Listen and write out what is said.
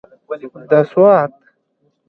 د سوات.